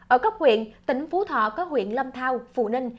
ở cấp huyện tỉnh phú thọ có huyện lâm thao phù ninh